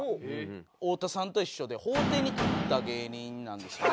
太田さんと一緒で法廷に立った芸人なんですよね